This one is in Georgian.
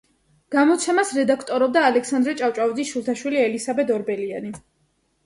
გამოცემას რედაქტორობდა ალექსანდრე ჭავჭავაძის შვილთაშვილი ელისაბედ ორბელიანი.